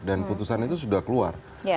dan putusan itu sudah keluar